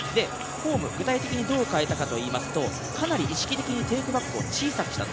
フォーム、具体的にどう変えたかといいますと、かなり意識的にテイクバックを小さくした。